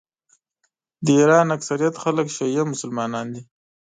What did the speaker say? د ایران اکثریت خلک شیعه مسلمانان دي.